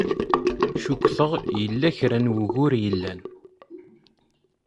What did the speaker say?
Cukkteɣ yella kra n wugur yellan.